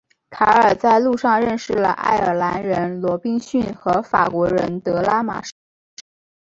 卡尔在路上认识了爱尔兰人罗宾逊和法国人德拉马什。